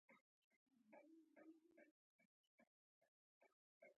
د غزني په ناور کې د مسو نښې شته.